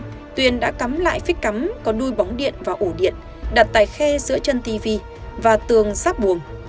hôm nay tuyền đã cắm lại phít cắm có đuôi bóng điện và ổ điện đặt tại khe giữa chân tivi và tường giáp buồng